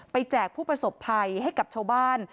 แจกผู้ประสบภัยให้กับชาวบ้าน